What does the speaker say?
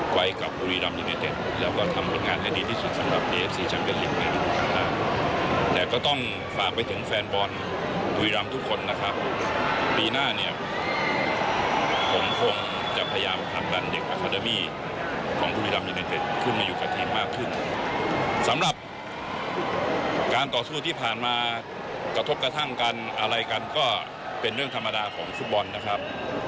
การต่อสู้ที่ผ่านมากระทบกระทั่งกันอะไรกันก็เป็นเรื่องธรรมดาของชุดบอลนะครับ